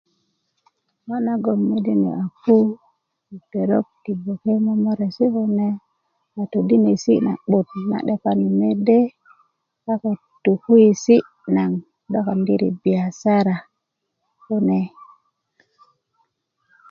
ŋo' nagoŋ mede niyo' a pu yi petok ti kuki momoresi' kune a todinesi' na'but na 'depani mede a ko tokuwesi' nagoŋ do lpndiri biyasara